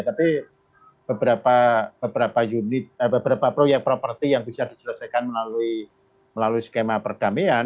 tapi beberapa unit beberapa proyek properti yang bisa diselesaikan melalui skema perdamaian